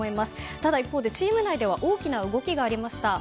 ただ、一方でチーム内では大きな動きがありました。